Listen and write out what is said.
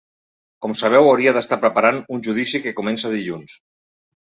Com sabeu hauria d’estar preparant un judici que comença dilluns.